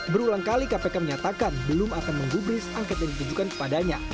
berulang kali kpk menyatakan belum akan menggubris angket yang ditujukan kepadanya